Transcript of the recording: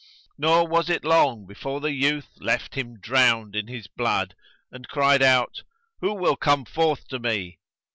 Nor was it long before the youth left him drowned in his blood and cried out, "Who will come forth to me?"